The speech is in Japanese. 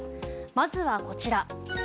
まずはこちら。